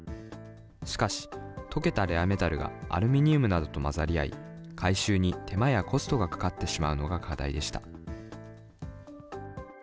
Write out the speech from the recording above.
しかし、溶けたレアメタルがアルミニウムなどと混ざり合い、回収に手間やコストがかかってしまうのが課題でした。